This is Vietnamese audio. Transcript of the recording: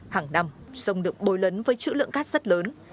hàng năm sông được bối lấn với chữ lượng cát rất lớn